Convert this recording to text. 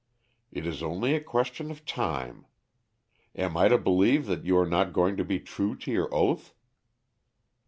It is only a question of time. Am I to believe that you are not going to be true to your oath?"